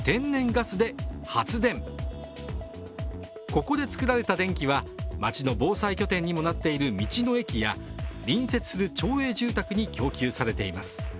ここで作られた電気は町の防衛拠点にもなっている道の駅や隣接する町営住宅に供給されています。